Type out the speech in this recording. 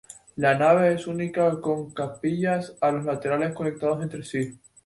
La nave es única con capillas a los laterales conectadas entre sí.